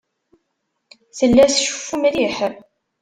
Tella tceffu mliḥ.